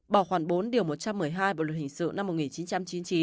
bỏ khoảng bốn điều một trăm một mươi hai bộ luật hình sự năm một nghìn chín trăm chín mươi chín